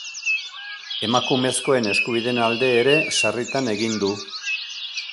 Emakumezkoen eskubideen alde ere sarritan egin du.